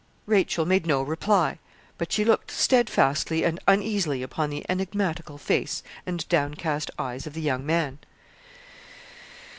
Rachel made no reply, but she looked steadfastly and uneasily upon the enigmatical face and downcast eyes of the young man.